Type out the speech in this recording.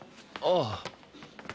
ああ。